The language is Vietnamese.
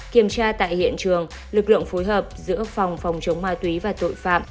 kiểm tra tại hiện trường lực lượng phối hợp giữa phòng phòng chống ma túy và tội phạm